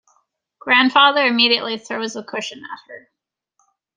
Grandfather immediately throws the cushion at her.